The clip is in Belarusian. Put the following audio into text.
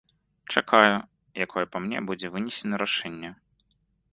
Чакаю, якое па мне будзе вынесена рашэнне.